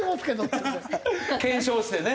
検証してね。